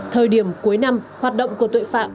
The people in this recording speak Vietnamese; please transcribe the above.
thời điểm cuối năm hoạt động của tội phạm